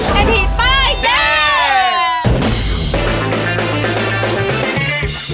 เธอที่ป้ายแดง